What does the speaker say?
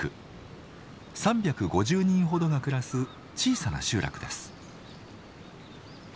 ３５０人ほどが暮らす小さな集落です。